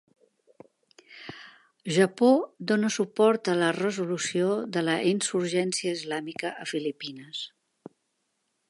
Japó dona suport a la resolució de la insurgència islàmica a Filipines.